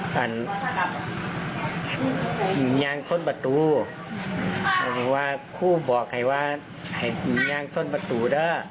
เขาบอกว่าอย่างส้นประตู